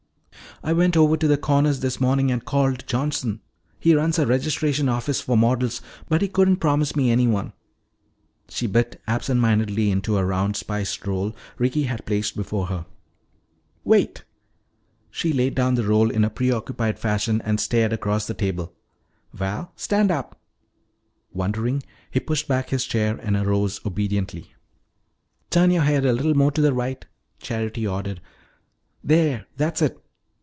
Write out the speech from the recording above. I went over to the Corners this morning and called Johnson he runs a registration office for models but he couldn't promise me anyone." She bit absent mindedly into a round spiced roll Ricky had placed before her. "Wait!" She laid down the roll in a preoccupied fashion and stared across the table. "Val, stand up." Wondering, he pushed back his chair and arose obediently. "Turn your head a little more to the right," Charity ordered. "There, that's it!